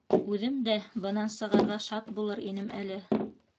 Үҙем дә бынан сығырға шат булыр инем әле!